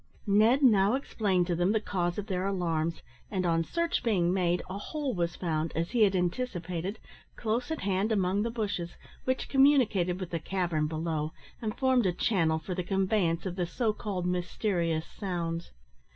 Ned now explained to them the cause of their alarms, and on search being made, a hole was found, as he had anticipated, close at hand among the bushes, which communicated with the cavern below, and formed a channel for the conveyance of the so called mysterious sounds.